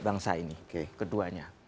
bangsa ini keduanya